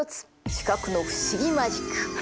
視覚の不思議マジック。